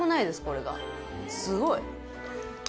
すごい。